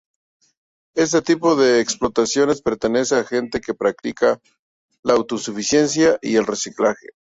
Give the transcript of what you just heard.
Este tipo de explotaciones pertenecen a gente que practican la autosuficiencia y el reciclaje.